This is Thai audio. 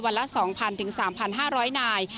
วันละ๒๐๐๐ถึง๓๕๐๐นาย